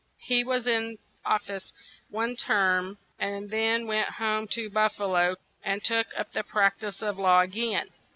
He was in of fice one term, and then went home to Buf fa lo, and took up the prac tice of law a gain.